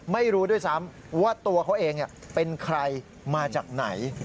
ไม่รู้ด้วยซ้ำว่าตัวเขาเองเป็นใครมาจากไหน